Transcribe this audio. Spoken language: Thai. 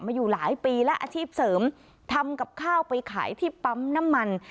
อยู่หลายปีแล้วอาชีพเสริมทำกับข้าวไปขายที่ปั๊มน้ำมัน